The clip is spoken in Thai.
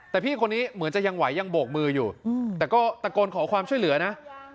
แต่พี่คนนี้เหมือนจะยังไหวยังโบกมืออยู่แต่ก็ตะโกนขอความช่วยเหลือนะ